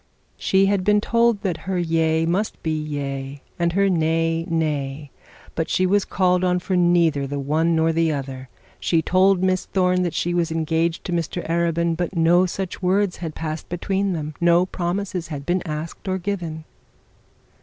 She had been told that her yea must be yea, or her nay, nay; but she was called on for neither the one nor the other. She told Miss Thorne that she was engaged to Mr Arabin, but no such words had passed between them, no promises had been asked or given.